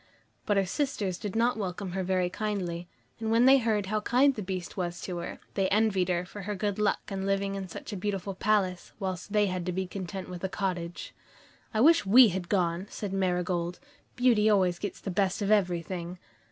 But her sisters did not welcome her very kindly, and when they heard how kind the Beast was to her, they envied her her good luck in living in a beautiful palace, whilst they had to be content with a cottage. "I wish we had gone," said Marigold. "Beauty always gets the best of everything."